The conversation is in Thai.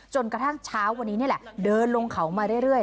จนกระทั่งเช้าวันนี้นี่แหละเดินลงเขามาเรื่อย